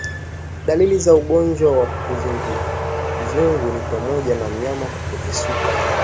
Dalili za ugonjwa wa kizunguzungu ni pamoja na mnyama kupepesuka